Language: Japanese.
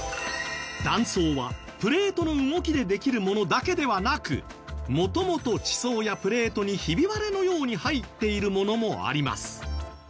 断層はプレートの動きでできるものだけではなくもともと地層やプレートにひび割れのように入っているものもあります。